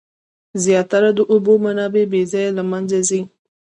زیاتره د اوبو منابع بې ځایه له منځه ځي.